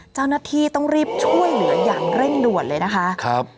เจ้าหน้าที่ต้องรีบช่วยเหลืออย่างเร่งด่วนเลยนะคะครับ